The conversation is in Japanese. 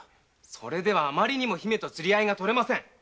それでは余りにも姫と釣り合いがとれません。